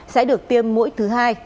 sẽ được tiêm mũi thứ hai